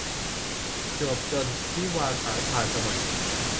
จวบจนทิวาวารผ่านสมัย